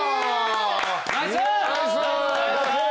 ナイス。